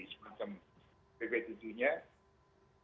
semacam pp tujuh nya ya jadi kita bisa memiliki sebuah kegiatan